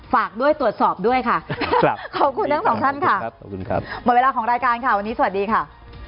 ฝากด้วยตรวจสอบด้วยค่ะขอบคุณทั้งสองท่านค่ะขอบคุณครับหมดเวลาของรายการค่ะวันนี้สวัสดีค่ะ